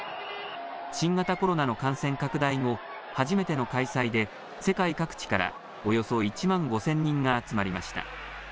新型コロナの感染拡大後、初めての開催で世界各地からおよそ１万５０００人が集まりました。